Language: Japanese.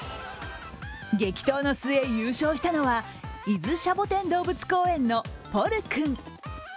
激闘の末、優勝したのは伊豆シャボテン動物公園のポル君。